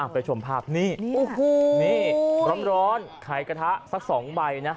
ไปชมภาพนี่ร้อนไข่กระทะสัก๒ใบนะ